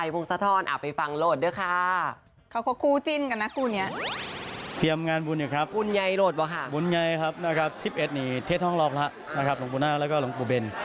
บุญไงครับสิบเอ็ดนี่เทศห้องรองพระหลวงปูน่าแล้วก็หลวงปูเบน